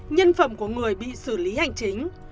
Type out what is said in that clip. nhân phẩm của người bị xử lý hành chính